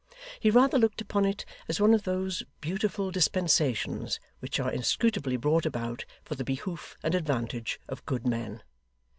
He rather looked upon it as one of those beautiful dispensations which are inscrutably brought about for the behoof and advantage of good men.